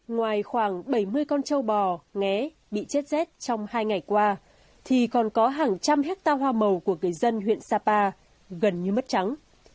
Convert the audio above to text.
ngoài khoảng bảy mươi con châu bò ngé bị chết rét trong hai ngày qua thì còn có hàng trăm hecta hoa màu của người dân huyện sapa gần như mất trắng